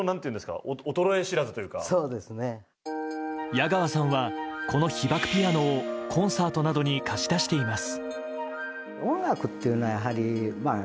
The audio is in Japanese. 矢川さんはこの被爆ピアノをコンサートなどに貸し出しています。